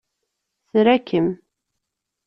Tra-kem!